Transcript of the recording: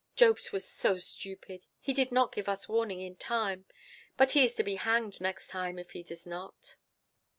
Jobst was so stupid. He did not give us warning in time; but he is to be hanged next time if he does not."